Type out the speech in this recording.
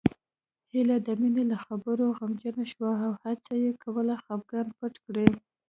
هيله د مينې له خبرو غمجنه شوه او هڅه يې کوله خپګان پټ کړي